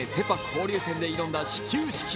交流戦で挑んだ始球式。